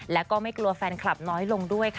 และก็ไม่กลัวแฟนคลับน้อยลงด้วยค่ะ